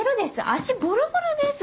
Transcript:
足ボロボロです。